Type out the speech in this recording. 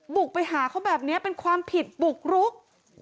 บุกไปหาเขาแบบนี้เป็นความผิดบุกรุก